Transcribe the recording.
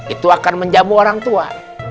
itu akan menjamu orang tua